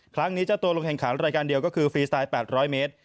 เจ้าตัวลงแข่งขันรายการเดียวก็คือฟรีสไตล์๘๐๐เมตร